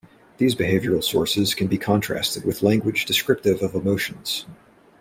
These behavioural sources can be contrasted with language descriptive of emotions.